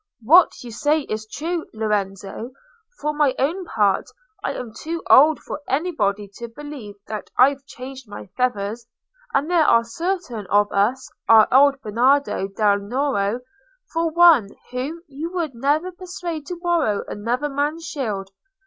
"What you say is true, Lorenzo. For my own part, I am too old for anybody to believe that I've changed my feathers. And there are certain of us—our old Bernardo del Nero for one—whom you would never persuade to borrow another man's shield.